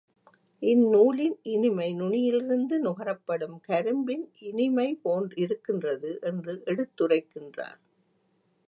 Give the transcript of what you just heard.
இந்நூலின் இனிமை நுனியிலிருந்து நுகரப்படும் கரும்பின் இனிமை போன்றிருக்கின்றது. என்று எடுத்துரைக்கின்றார்.